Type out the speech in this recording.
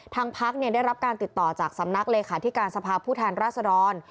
ทางพักได้รับการติดต่อจากสำนักเลขาธิการสภาพผู้แทนราษดร